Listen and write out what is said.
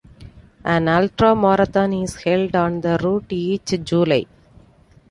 An ultramarathon is held on the route each July.